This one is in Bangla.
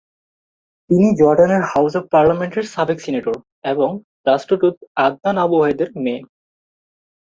তিনি জর্ডানের হাউস অব পার্লামেন্টের সাবেক সিনেটর এবং রাষ্ট্রদূত আদনান আবু-অদেহের মেয়ে।